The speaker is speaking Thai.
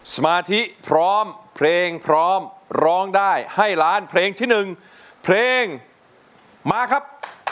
สมาธิพร้อมเพลงพร้อมร้องได้ให้ล้านเพลงที่๑เพลงมาครับ